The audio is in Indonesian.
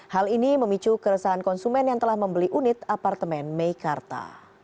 hal ini memicu keresahan konsumen yang telah membeli unit apartemen meikarta